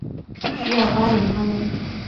需要包围他们